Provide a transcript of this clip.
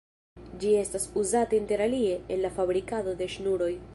Ĝi estas uzata interalie en la fabrikado de ŝnuroj.